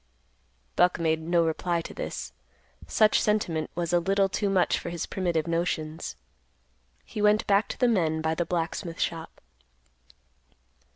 Buck made no reply to this. Such sentiment was a little too much for his primitive notions. He went back to the men by the blacksmith shop.